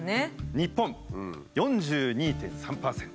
日本４２．３％。